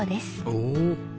おお。